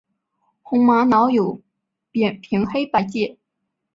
红玛瑙有扁平黑白阶。